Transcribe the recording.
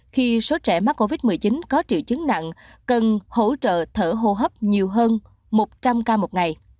khi số trẻ mắc covid một mươi chín có triệu chứng nặng cần hỗ trợ thở hô hấp nhiều hơn một trăm linh ca một ngày